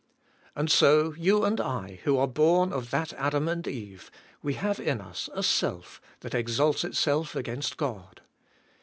And so you and I, who are born of that Adam and Kve, we have in us a self that exalts itself against God.